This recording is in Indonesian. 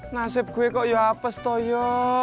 nasib gue kok yuapes toyo